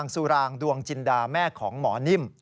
สุรางดวงจินดาแม่ของหมอนิ่ม